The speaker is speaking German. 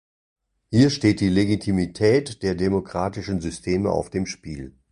Hier steht die Legitimität der demokratischen Systeme auf dem Spiel.